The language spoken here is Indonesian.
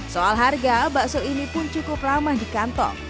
soal harga bakso ini pun cukup ramah di kantong